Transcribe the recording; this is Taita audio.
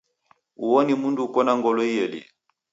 Uo ni mundu uko na ngolo ielie